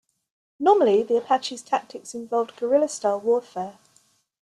Normally, the Apaches' tactics involved guerrilla-style warfare.